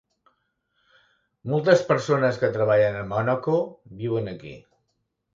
Moltes persones que treballen a Mònaco viuen aquí.